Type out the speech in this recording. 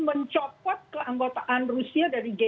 mencopot keanggotaan rusia dari g dua